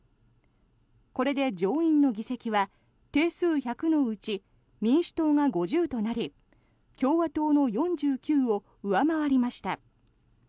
これで上院の議席は定数１００のうち民主党が５０となり共和党の４９を上回りました。